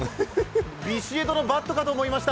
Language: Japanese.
ビシエドのバットかと思いました。